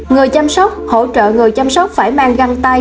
người chăm sóc hỗ trợ người chăm sóc phải mang găng tay